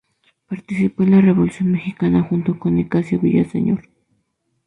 Participó en la Revolución Mexicana junto con Nicasio Villaseñor.